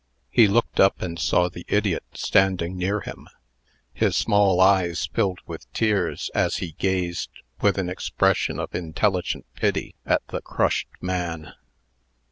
He looked up, and saw the idiot standing near him. His small eyes filled with tears as he gazed with an expression of intelligent pity at the crushed man.